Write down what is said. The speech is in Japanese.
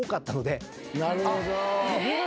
なるほど。